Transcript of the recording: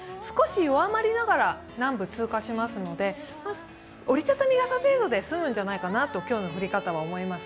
少し弱まりながら南部を通過しますので、折り畳み傘程度で済むんじゃないかなと、今日の降り方は。